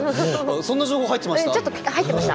そんな情報入ってました？